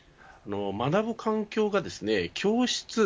学ぶ環境が、教室